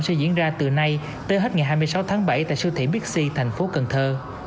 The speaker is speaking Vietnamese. sẽ diễn ra từ nay tới hết ngày hai mươi sáu tháng bảy tại siêu thị bixi thành phố cần thơ